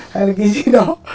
hay là cái gì đó